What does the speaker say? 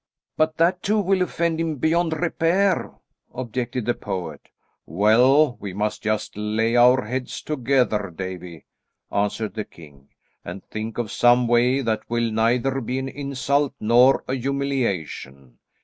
"But that too will offend him beyond repair," objected the poet. "Well, we must just lay our heads together, Davie," answered the king, "and think of some way that will neither be an insult nor a humiliation.